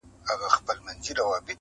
جادوګر په شپه کي وتښتېد له ښاره،